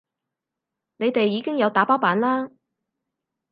你哋已經有打包版啦